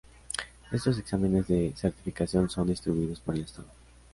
Estos exámenes de certificación son distribuidos por el estado.